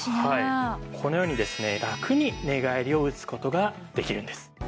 このようにですねラクに寝返りを打つ事ができるんです。